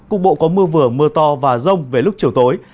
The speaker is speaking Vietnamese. cục bộ có mưa vừa mưa to và rông về lúc chiều tối